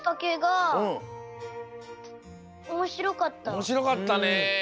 おもしろかったね。